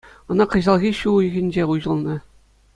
Ӑна кӑҫалхи ҫу уйӑхӗнче уҫӑлнӑ.